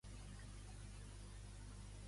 Què va ordenar-li Erifile a Alcmeó?